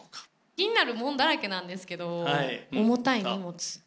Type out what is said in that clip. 気になるもんだらけなんですけど「重たい荷物」。